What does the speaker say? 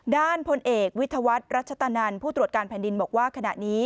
พลเอกวิทยาวัฒน์รัชตะนันผู้ตรวจการแผ่นดินบอกว่าขณะนี้